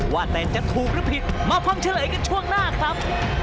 ว่าแต่จะถูกหรือผิดมาฟังเฉลยกันช่วงหน้าครับ